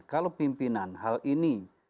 kalau pimpinan hal ini